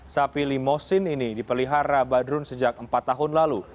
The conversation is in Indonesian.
sapi limosin ini dipelihara badrun sejak empat tahun lalu